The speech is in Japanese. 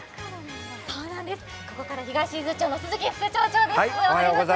ここから東伊豆町の鈴木副町長です。